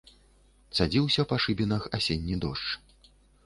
Цадзіўся па шыбінах асенні дождж.